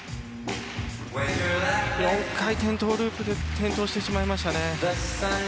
４回転トゥループで転倒してしまいましたね。